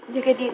gue jadi dia